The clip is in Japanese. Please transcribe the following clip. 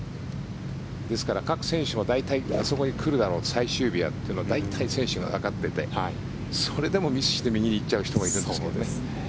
ですから、各選手は大体そこに来るだろう最終日はってのは選手も大体わかっていてそれでもミスして右に行っちゃう人がいるんですけど。